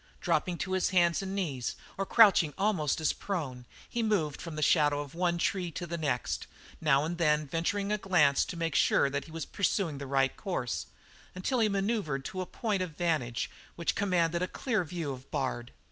Dropping to hands and knees, or crouching almost as prone, he moved from the shadow of one tree to the next, now and then venturing a glance to make sure that he was pursuing the right course, until he manoeuvred to a point of vantage which commanded a clear view of Bard.